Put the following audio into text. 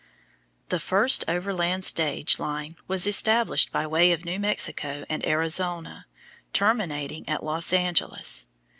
The first overland stage line was established by way of New Mexico and Arizona, terminating at Los Angeles.